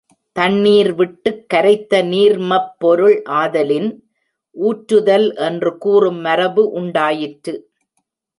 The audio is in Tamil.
தண்ணீர் விட்டுக் கரைத்த நீர்மப் பொருள் ஆதலின், ஊற்றுதல் என்று கூறும் மரபு உண்டாயிற்று.